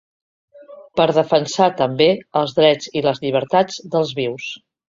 Per defensar, també, els drets i les llibertats dels vius.